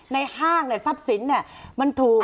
ในห้างในทรัพย์สินเนี่ยมันถูก